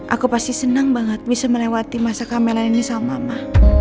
aku pasti senang banget bisa melewati masa kamelan ini sama mama